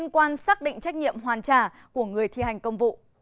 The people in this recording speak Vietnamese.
quan xác định trách nhiệm hoàn trả của người thi hành công vụ